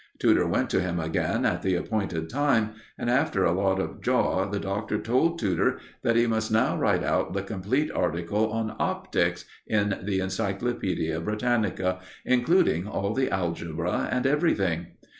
Tudor went to him again at the appointed time, and, after a lot of jaw, the Doctor told Tudor that he must now write out the complete article on "Optics," in the Encyclopædia Britannica, including all the algebra and everything.